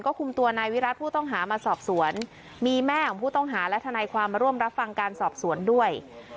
คุมตัวนายวิรัติผู้ต้องหามาสอบสวนมีแม่ของผู้ต้องหาและทนายความมาร่วมรับฟังการสอบสวนด้วย